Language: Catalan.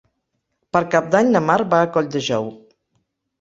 Per Cap d'Any na Mar va a Colldejou.